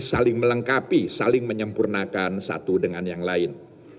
saling melengkapi saling menyempurnakan satu dengan yang lain